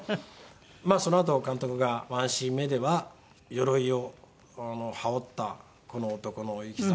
そのあと監督がワンシーン目では鎧を羽織ったこの男の生き様。